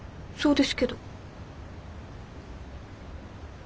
そうですけど。